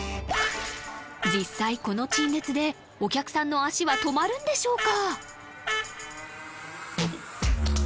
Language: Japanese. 実際この陳列でお客さんの足は止まるんでしょうか？